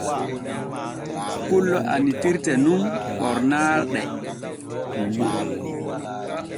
Pullo annitirte nun ɓornaaɗe nun.